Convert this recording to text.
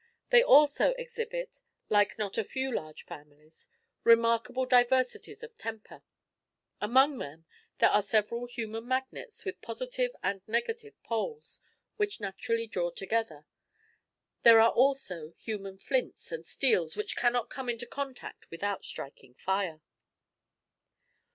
They also exhibit, like not a few large families, remarkable diversities of temper. Among them there are several human magnets with positive and negative poles, which naturally draw together. There are also human flints and steels which cannot come into contact without striking fire.